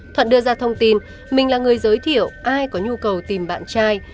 thuận đưa ra thông tin mình là người giới thiệu ai có nhu cầu tìm bạn trai